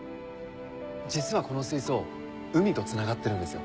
実はこの水槽海とつながってるんですよ。